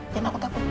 biar aku takut